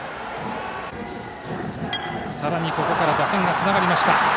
さらにここから打線がつながりました。